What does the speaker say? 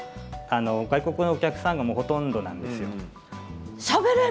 外国のお客さんがほとんどなんですよ。